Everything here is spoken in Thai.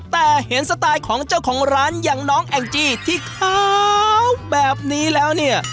แต่เห็นสไตล์ของเจ้าของร้านอย่างน้องแองจี้ที่ขาวแบบนี้แล้วเนี่ย